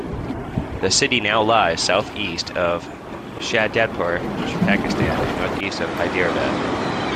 The city now lies south-east of Shahdadpur, Pakistan, and north-east of Hyderabad.